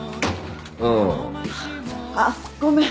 うん。あっごめん。